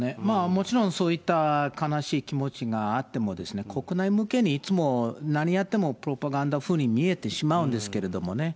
もちろんそういった悲しい気持ちがあっても、国内向けに、いつも、何やってもプロパガンダ風に見えてしまうんですけれどもね。